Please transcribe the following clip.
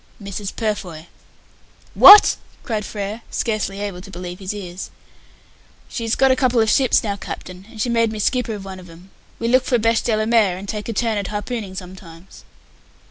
"Mrs. Purfoy." "What!" cried Frere, scarcely able to believe his ears. "She's got a couple of ships now, Captain, and she made me skipper of one of 'em. We look for beshdellamare [beche de la mer], and take a turn at harpooning sometimes."